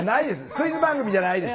クイズ番組じゃないです。